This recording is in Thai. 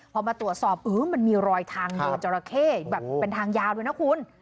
พอมาตรวจสอบมันมีรอยทางเดินจราเข้แบบเป็นทางยาวด้วยนะคุณ